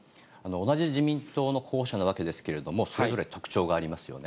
同じ自民党の候補者なわけですけれども、それぞれ特徴がありますよね。